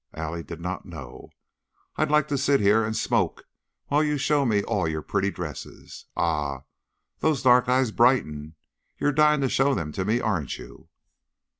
Allie did not know. "I'd like to sit here and smoke while you show me all your pretty dresses. Ah! Those dark eyes brighten. You're dying to show them to me, aren't you?"